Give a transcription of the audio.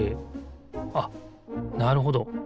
あっなるほど。